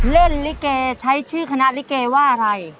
เล่นลิเกใช้ชื่อคณะลิเกว่าอะไร